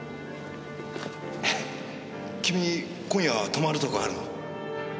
君今夜泊まるとこあるの？